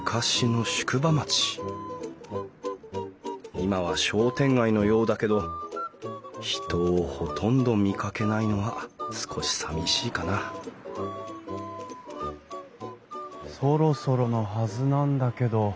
今は商店街のようだけど人をほとんど見かけないのは少しさみしいかなそろそろのはずなんだけど。